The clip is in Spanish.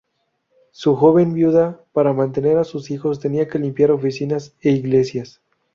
Su joven viuda para mantener a sus hijos tiene que limpiar oficinas e iglesias.